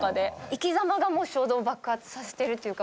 生き様がもう衝動爆発させてるっていうか。